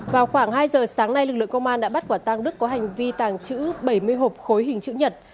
vào khoảng hai giờ sáng nay lực lượng công an đã bắt quả tàng đức có hành vi tàng trữ bảy mươi hộp khối hình chữ nhật